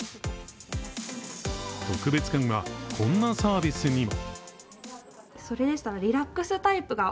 特別感は、こんなサービスにも。